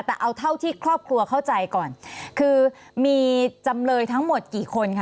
แต่เอาเท่าที่ครอบครัวเข้าใจก่อนคือมีจำเลยทั้งหมดกี่คนคะ